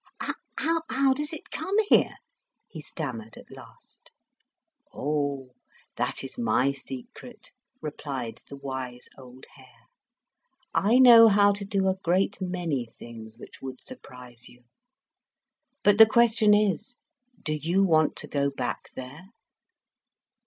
"How does it come here?" he stammered, at last. "Oh, that is my secret," replied the wise old Hare. "I know how to do a great many things which would surprise you. But the question is, do you want to go back there?"